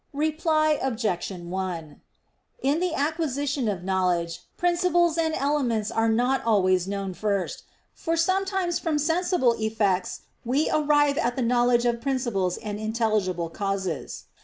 Reply Obj. 1: In the acquisition of knowledge, principles and elements are not always (known) first: for sometimes from sensible effects we arrive at the knowledge of principles and intelligible causes.